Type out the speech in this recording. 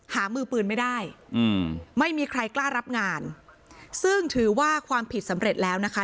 หามือปืนไม่ได้อืมไม่มีใครกล้ารับงานซึ่งถือว่าความผิดสำเร็จแล้วนะคะ